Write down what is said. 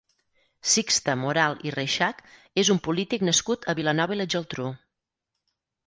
Sixte Moral i Reixach és un polític nascut a Vilanova i la Geltrú.